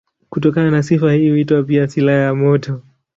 Kutokana na sifa hii huitwa pia silaha ya moto.